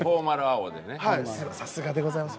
さすがでございます。